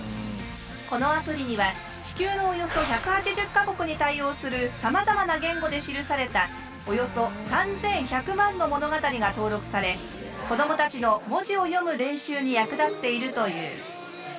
このアプリには地球のおよそ１８０か国に対応するさまざまな言語で記されたおよそ３，１００万の物語が登録され子どもたちの文字を読む練習に役立っているという。